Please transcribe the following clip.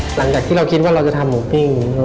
หลังจากที่เราคิดว่าเราจะทำหมูปิ้ง